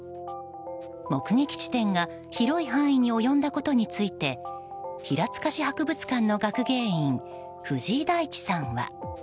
目撃地点が広い範囲に及んだことについて平塚市博物館の学芸員藤井大地さんは。